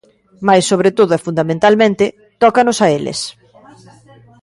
Mais sobre todo e fundamentalmente, tócanos a eles.